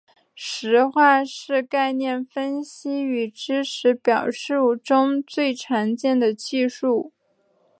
实化是概念分析与知识表示中最常用的技术。